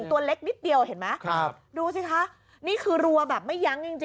ตอนต่อไป